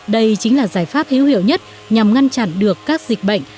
đây chính là giải pháp hữu hiệu nhất nhằm ngăn chặn được các dịch bệnh